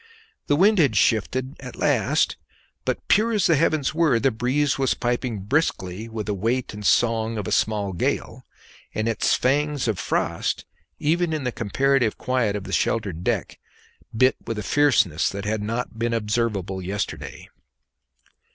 The wind had shifted at last; but, pure as the heavens were, the breeze was piping briskly with the weight and song of a small gale, and its fangs of frost, even in the comparative quiet of the sheltered deck, bit with a fierceness that had not been observable yesterday.